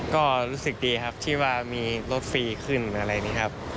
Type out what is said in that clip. ก็รู้สึกดีครับที่ว่ามีรถฟรีขึ้นอะไรอย่างนี้ครับ